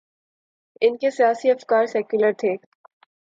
ان کے سیاسی افکار سیکولر تھے۔